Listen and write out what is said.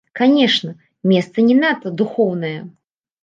Канешне, месца не надта духоўнае.